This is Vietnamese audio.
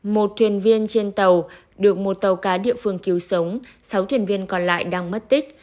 một thuyền viên trên tàu được một tàu cá địa phương cứu sống sáu thuyền viên còn lại đang mất tích